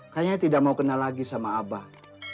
kayaknya tidak mau kenal lagi sama abah